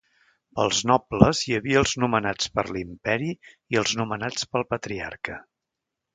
Pels nobles hi havia els nomenats per l'Imperi i els nomenats pel patriarca.